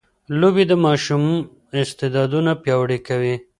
لوبې د ماشوم استعدادونه پياوړي کوي.